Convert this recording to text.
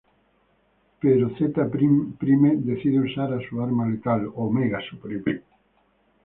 Pero Zeta Prime decide usar a su arma letal: Omega Supreme.